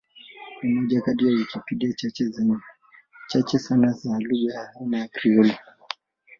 Ni moja kati ya Wikipedia chache sana za lugha ya aina ya Krioli.